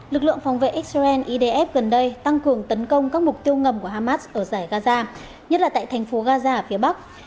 lực lượng phòng vệ israel idf gần đây tăng cường tấn công các mục tiêu ngầm của hamas ở giải gaza nhất là tại thành phố gaza ở phía bắc